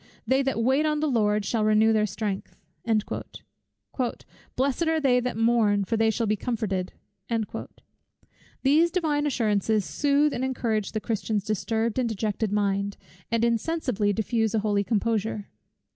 "They that wait on the Lord, shall renew their strength." "Blessed are they that mourn, for they shall be comforted." These Divine assurances sooth and encourage the Christian's disturbed and dejected mind, and insensibly diffuse a holy composure.